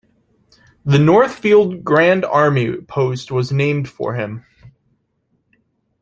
The Northfield Grand Army Post was named for him.